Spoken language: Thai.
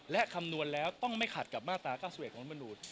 และคำนวณแล้วต้องไม่ขัดกับมาตรา๙๑ของรัฐมนูล